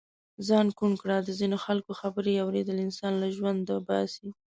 ځان ڪوڼ ڪړه د ځينو خلڪو خبرې اوریدل انسان له ژونده باسي.